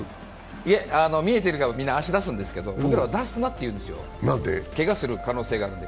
いえ、見えているからみんな足出すんですけど、僕らは出すなっていうんですよ、けがする可能性があるので。